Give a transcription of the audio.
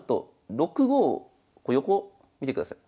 ６五横見てください。